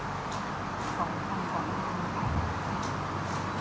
ส่วนสุดท้ายครับ